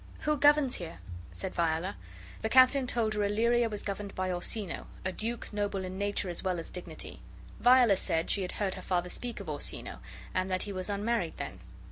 "Who governs here?" said Viola. The captain told her Illyria was governed by Orsino, a duke noble in nature as well as dignity. Viola said, she had heard her father speak of Orsino, and that he was unmarried then.